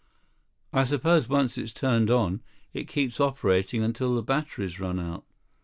"I suppose once it's turned on, it keeps operating until the batteries run out."